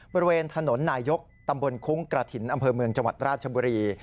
บริเวณถนนนายกตำบลคุ้งกระถิ่นอำเภอเมืองจังหวัดราชบุรี